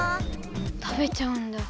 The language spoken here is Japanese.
食べちゃうんだ。